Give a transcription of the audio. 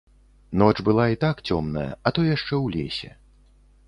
Ноч была і так цёмная, а то яшчэ ў лесе.